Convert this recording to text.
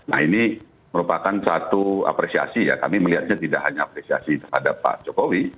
nah ini merupakan satu apresiasi ya kami melihatnya tidak hanya apresiasi terhadap pak jokowi